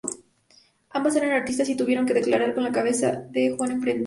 Ambas eran artistas y tuvieron que declarar con la cabeza de Juan enfrente.